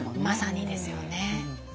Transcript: まさにですよね。